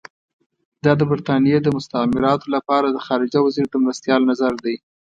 دا د برټانیې د مستعمراتو لپاره د خارجه وزیر د مرستیال نظر دی.